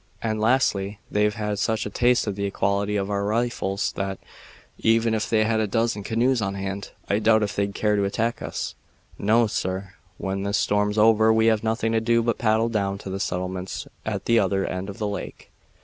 And lastly, they've had such a taste of the quality of our rifles that, even if they had a dozen canoes on hand, I doubt if they'd care to attack us. No, sir; when this storm's over we have nothing to do but paddle down to the settlements at the other end of the lake."